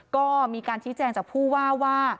ก็มีการชี้แจงจากผู้ว่าว่า